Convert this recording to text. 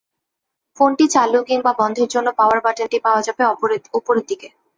ফোনটি চালু কিংবা বন্ধের জন্য পাওয়ার বাটনটি পাওয়া যাবে ওপরের দিকে।